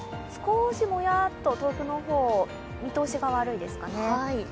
少しもやっと、遠くの方見通しが悪いですかね。